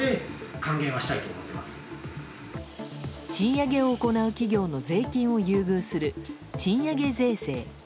賃上げを行う企業の税金を優遇する賃上げ税制。